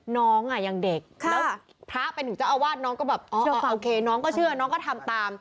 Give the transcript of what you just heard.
น้องอ่ะยังเด็กแล้วพระเป็นถึงเจ้าอาวาสน้องก็แบบโอเคน้องก็เชื่อน้องก็ทำตาม